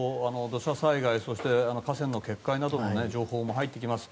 土砂災害、河川の決壊などの情報も入ってきます。